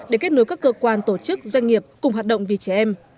để kết nối các cơ quan tổ chức doanh nghiệp cùng hoạt động vì trẻ em